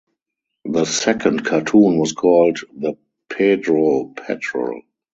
The second cartoon was called "The Pedro Patrol".